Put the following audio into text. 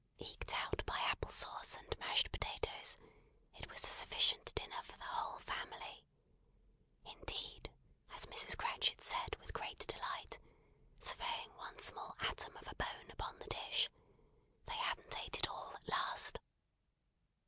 Eked out by apple sauce and mashed potatoes, it was a sufficient dinner for the whole family; indeed, as Mrs. Cratchit said with great delight (surveying one small atom of a bone upon the dish), they hadn't ate it all at last!